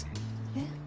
えっ？